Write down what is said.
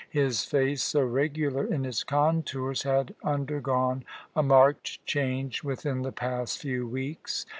His face, so regular in its contours, had undergone a marked change within the past few weeks.